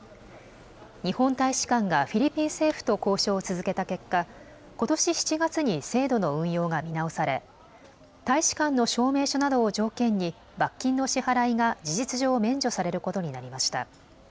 日本大使館がフィリピン政府と交渉を続けた結果、ことし７月に制度の運用が見直され大使館の証明書などを条件に罰金の支払いが事実上、免除されることになりました。